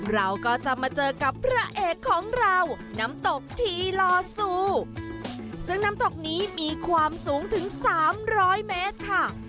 เราก็จะมาเจอกับพระเอกของเราน้ำตกทีลอซูซึ่งน้ำตกนี้มีความสูงถึงสามร้อยเมตรค่ะ